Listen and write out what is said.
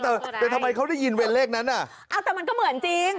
แต่ทำไมเขาได้ยินเป็นเลขนั้นอ่ะอ้าวแต่มันก็เหมือนจริง